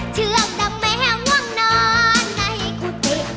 เชื่อมดังแม้หวงนอนนะเฮกูติ